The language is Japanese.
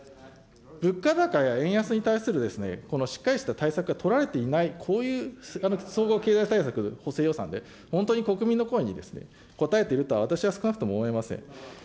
物価高や円安に対するこのしっかりした対策は取られていない、こういう総合経済対策、補正予算で、本当に国民の声に応えていると、私は少なくとも思えません。